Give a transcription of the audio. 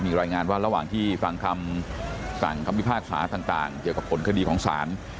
มีรายงานว่าระหว่างที่ฟังคำสั่งคำพิพากษาต่างเกี่ยวกับผลคดีของศาล